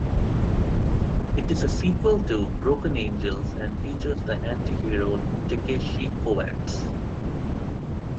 It is a sequel to "Broken Angels", and features the anti-hero Takeshi Kovacs.